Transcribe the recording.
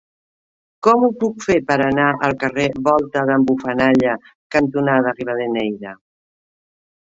Com ho puc fer per anar al carrer Volta d'en Bufanalla cantonada Rivadeneyra?